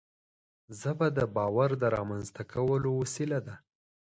ژبه د باور د رامنځته کولو وسیله ده